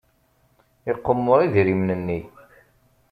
Iqemmer idrimen-nni.